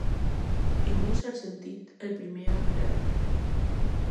En un cert sentit, el primer almirall.